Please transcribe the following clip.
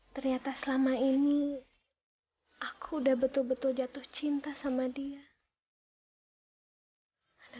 ternyata selama ini aku udah betul betul jatuh cinta sama dia